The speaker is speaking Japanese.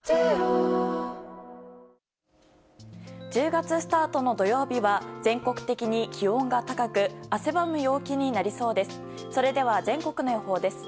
１０月スタートの土曜日は全国的に気温が高く汗ばむ陽気になりそうです。